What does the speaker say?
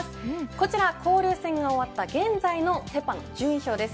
こちら交流戦が終わった現在のセ・パの順位表です。